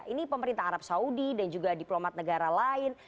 ini pemerintah arab saudi dan juga diplomat negara lain